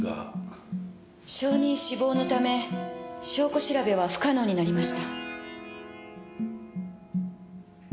証人死亡のため証拠調べは不可能になりました。